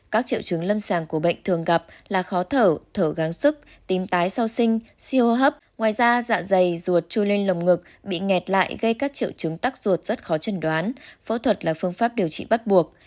các triệu chứng lâm sàng của bệnh thường gặp là khó thở thở gáng sức tím tái sau sinh si hô hấp ngoài ra dạ dày ruột chui lên lồng ngực bị nghẹt lại gây các triệu chứng tắc ruột rất khó chân đoán phẫu thuật là phương pháp điều trị bắt buộc